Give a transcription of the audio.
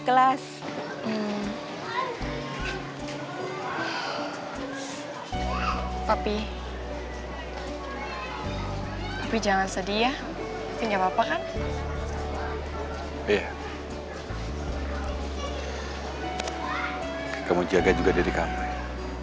kamu jaga juga diri kamu ya